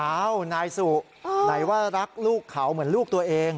นายสุไหนว่ารักลูกเขาเหมือนลูกตัวเอง